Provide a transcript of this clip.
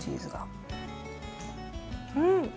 うん！